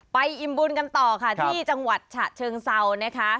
อิ่มบุญกันต่อค่ะที่จังหวัดฉะเชิงเซานะคะ